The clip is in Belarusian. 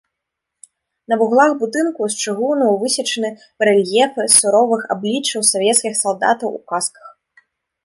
На вуглах будынка з чыгуну высечаны барэльефы суровых абліччаў савецкіх салдатаў у касках.